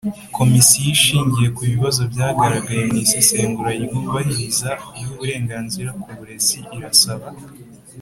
Komisiyo ishingiye ku bibazo byagaragaye mu isesengura ry iyubahiriza ry uburenganzira ku burezi irasaba